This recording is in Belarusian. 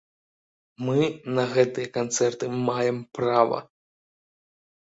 Мы на гэтыя канцэрты маем права!